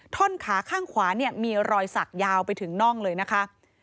ท่อนขาข้างขวาเนี่ยมีรอยสักยาวไปถึงน่องเลยนะคะ